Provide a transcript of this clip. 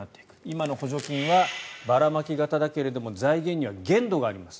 今の補助金はばらまき型だけれども財源には限度があります。